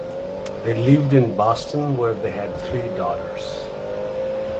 They lived in Boston where they had three daughters.